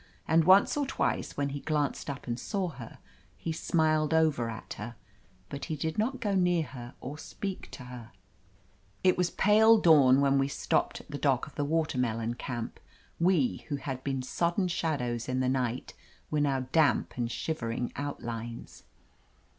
And once or twice, when he glanced up and saw her, he smiled over at her, but he did not go near her or speak to her. 340 OF LETITIA CARBERRY It was pale dawn when we stopped at the dock of the Watermelon Camp. We, who had been sodden shadows in the night, were now damp and shivering outlines.